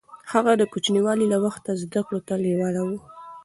هغه د کوچنيوالي له وخته زده کړو ته لېواله و.